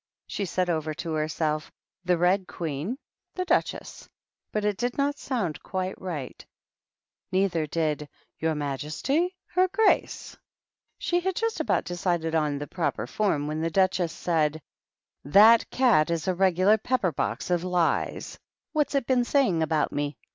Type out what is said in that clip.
She said over to herself, "The Hed QueeUy — the Duchessy But it did not soimd quite right; neither did " Your Majesty^ — her Oracer She had just about decided on the proper form, when the Duchess said, — "That cat is a regular pepper box of liesl What's it been saying about me?